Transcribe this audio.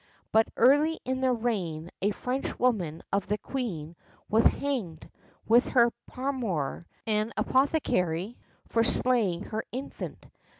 But early in the reign a Frenchwoman of the queen's was hanged, with her paramour, an apothecary, for slaying her infant.